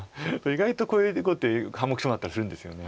意外とこういう碁って半目勝負になったりするんですよね。